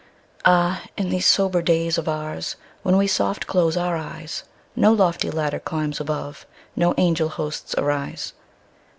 Ah, in these sober days of oursWhen we soft close our eyes, No lofty ladder climbs above, No angel hosts arise.